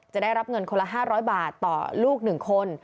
ได้รับเงินคนละ๕๐๐บาทต่อลูก๑คน